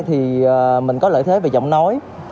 thì mình có lợi thế về giọng nói